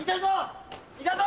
いたぞ！